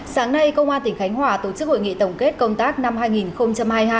sáng nay công an tỉnh khánh hòa tổ chức hội nghị tổng kết công tác năm hai nghìn hai mươi hai